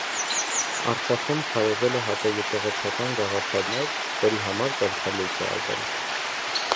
Արցախում քարոզել է հակաեկեղեցական գաղափարներ, որի համար կարգալույծ է արվել։